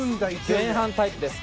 前半タイプです。